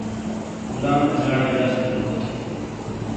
غلام اجاڑے زش بِیلو کوتے۔